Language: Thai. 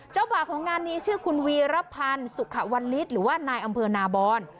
บ่าวของงานนี้ชื่อคุณวีรพันธ์สุขวันลิตหรือว่านายอำเภอนาบอน